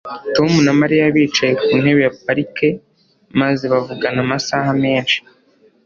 Tom na Mariya bicaye ku ntebe ya parike maze bavugana amasaha menshi